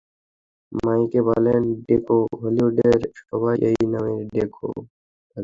মাইকে বলেই ডেকো, হলিউডের সবাই এই নামেই ডাকে।